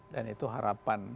dan itu harapan